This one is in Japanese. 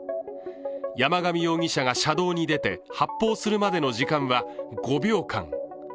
山上容疑者が車道に出て発砲するまでの時間は５秒間。